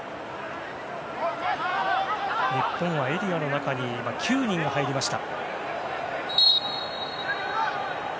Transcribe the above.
日本はエリアの中に９人が入りました。